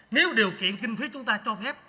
nếu điều kiện kinh phí chúng ta cho phép